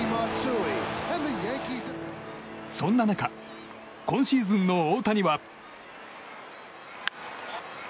そんな中今シーズンの大谷は。